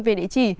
về địa chỉ